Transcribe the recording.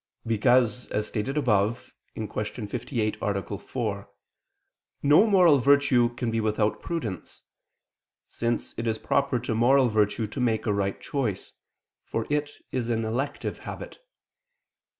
Because, as stated above (Q. 58, A. 4), no moral virtue can be without prudence; since it is proper to moral virtue to make a right choice, for it is an elective habit.